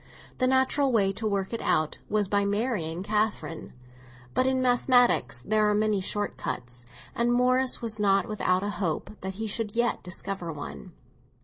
The natural way to work it out was by marrying Catherine; but in mathematics there are many short cuts, and Morris was not without a hope that he should yet discover one.